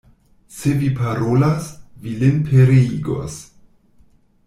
Se vi parolas, vi lin pereigos.